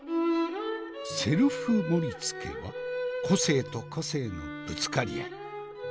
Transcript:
セルフ盛りつけは個性と個性のぶつかり合い。